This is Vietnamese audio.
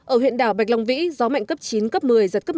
ở huyện đảo bạch long vĩ gió mạnh cấp chín cấp một mươi giật cấp một mươi